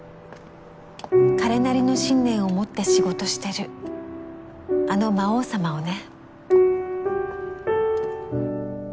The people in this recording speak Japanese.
彼なりの信念を持って仕事してるあの魔王様をね。